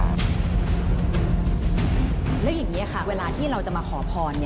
แล้วอย่างนี้ค่ะเวลาที่เราจะมาขอพร